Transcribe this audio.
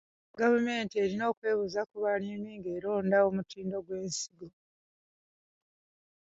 Gavumenti erina okwebuuza ku balimi ng'eronda omutindo gw'ensigo.